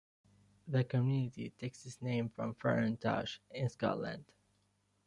The community takes its name from Ferintosh, in Scotland.